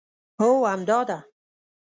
هو همدا ده